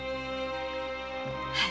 はい。